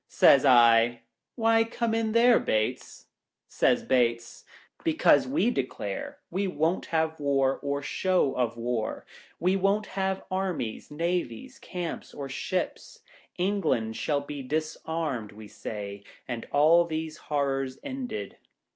Says I, " Why come in there, Bates 1 " Says Bates, " Because we declare we won't have War or show of War. We won't have armies, navies, canips, or ships. England shall he disarmed, we say, and all these horrors ended."